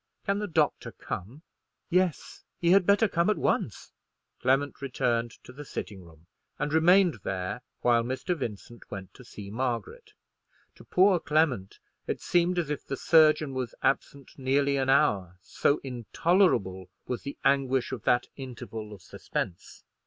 Can the doctor come?" "Yes; he had better come at once." Clement returned to the sitting room, and remained there while Mr. Vincent went to see Margaret. To Poor Clement it seemed as if the surgeon was absent nearly an hour, so intolerable was the anguish of that interval of suspense.